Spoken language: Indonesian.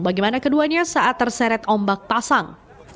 bagaimana keduanya saat terseret ombak pasang